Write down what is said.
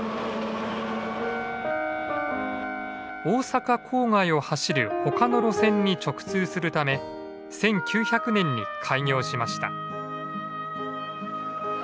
大阪郊外を走る他の路線に直通するため１９００年に開業しました。